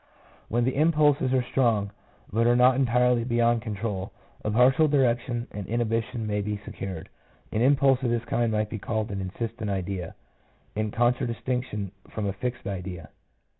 When the impulses are strong, but are not entirely beyond control, a partial direction and inhibition may be secured. An impulse of this kind might be called an insistent idea, in con tradistinction from a fixed idea.